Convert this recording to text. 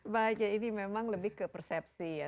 baik ya ini memang lebih ke persepsi ya